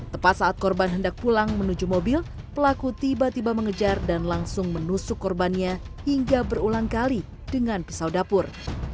tepat saat korban hendak pulang menuju mobil pelaku tiba tiba mengejar dan langsung menusuk korbannya hingga berulang kali dengan pisau dapur